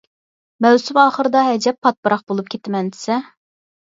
مەۋسۇم ئاخىرىدا ئەجەب پاتىپاراق بولۇپ كېتىمەن دېسە.